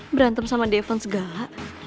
berantem sama devon segala